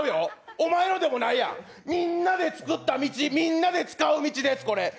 お前のでもないやんみんなでつくった道みんなで使う道です。